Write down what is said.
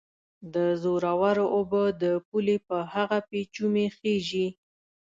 د زورورو اوبه د پولې په هغه پېچومي خېژي